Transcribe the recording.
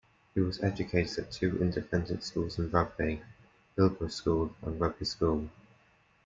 He was educated at two independent schools in Rugby: Hillbrow School and Rugby School.